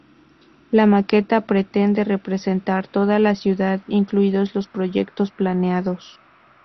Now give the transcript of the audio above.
La maqueta pretende representar toda la ciudad, incluidos los proyectos planeados.